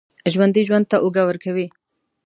ژوندي ژوند ته اوږه ورکوي